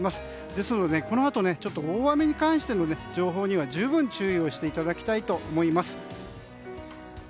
ですので、このあと大雨に関しての情報には十分注意をしていただきたいと思います。